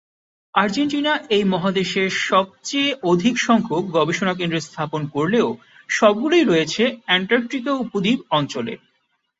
Argentina এই মহাদেশে সব চেয়ে অধিক সংখ্যক গবেষণা কেন্দ্র স্থাপন করলেও সবগুলিই রয়েছে অ্যান্টার্কটিকা উপদ্বীপ অঞ্চলে।